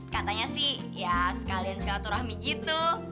katanya sih ya sekalian silaturahmi gitu